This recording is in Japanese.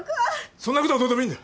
そんな事はどうでもいいんだよ。